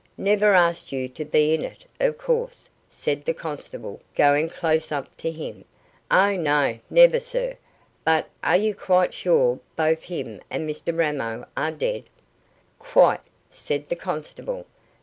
"Never asked you to be in it, of course?" said the constable, going close up to him. "Oh, no; never, sir; but are you quite sure both him and Mr Ramo are dead?" "Quite," said the constable.